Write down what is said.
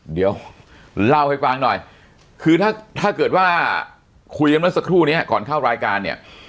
เดี๋ยวเล่าให้ฟังหน่อยคือถ้าถ้าเกิดว่าคุยกันเมื่อสักครู่นี้ก่อนเข้ารายการเนี่ย